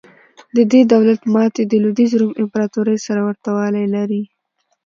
د دې دولت ماتې د لوېدیځ روم امپراتورۍ سره ورته والی لري.